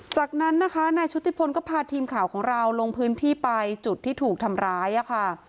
จากนั้นนะคะนายชุติพลก็พาทีมข่าวของเราลงพื้นที่ไปจุดที่ถูกทำร้ายค่ะ